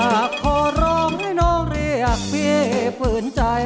อยากขอร้องให้น้องเรียกเวียบฝืนใจ